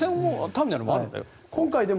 国際線もターミナルもあるんだよ。